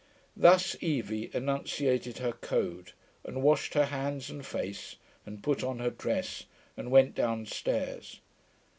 Thus Evie enunciated her code, and washed her hands and face and put on her dress and went downstairs.